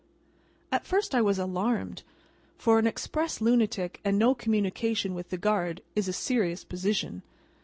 At first I was alarmed, for an Express lunatic and no communication with the guard, is a serious position.